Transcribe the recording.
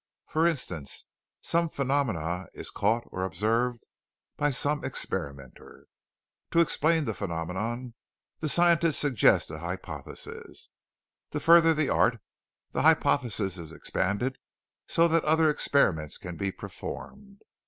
For instance, some phenomenon is caught or observed by some experimenter. To explain the phenomenon, the scientist suggests an hypothesis. To further the art, the hypothesis is expanded so that other experiments can be performed.